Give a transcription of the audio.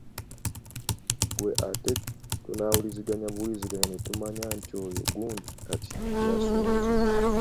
Ggwe ate tunaawunyirizanga buwunyiriza ne tumanya nti oyo gundi kati yasonze ?